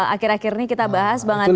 akhir akhir ini kita bahas bang andri